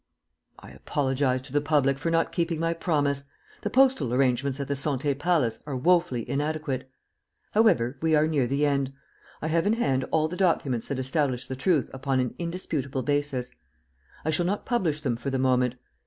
"I apologize to the public for not keeping my promise. The postal arrangements at the Santé Palace are woefully inadequate. "However, we are near the end. I have in hand all the documents that establish the truth upon an indisputable basis. I shall not publish them for the moment.